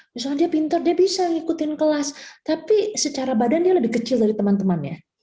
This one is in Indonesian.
misalnya dia pintar dia bisa ngikutin kelas tapi secara badan dia lebih kecil dari teman temannya